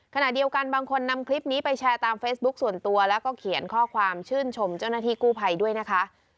ขณะเดียวกันบางคนนำคลิปนี้ไปแชร์ตามเฟซบุ๊คส่วนตัวแล้วก็เขียนข้อความชื่นชมเจ้าหน้าที่กู้ภัยด้วยนะคะ